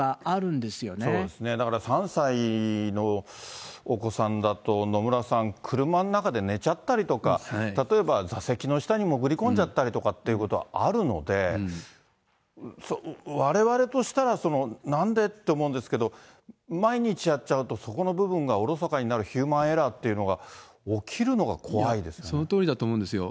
だから３歳のお子さんだと、野村さん、車の中で寝ちゃったりとか、例えば座席の下に潜り込んじゃったりとかっていうことはあるので、われわれとしたら、なんでって思うんですけど、毎日やっちゃうと、そこの部分がおろそかになるヒューマンエラーっていうのが起きるそのとおりだと思うんですよ。